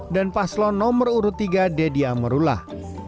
dan paslo nomor urut tiga dedia merulah